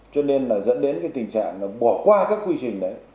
cho nên là dẫn đến cái tình trạng bỏ qua các quy trình đấy